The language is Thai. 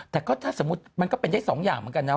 แต่ก็ถ้าสมมุติมันก็เป็นได้สองอย่างเหมือนกันนะ